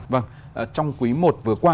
vâng trong quý một vừa qua